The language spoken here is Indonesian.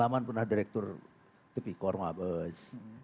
saya kan pernah direktur tepi korma bes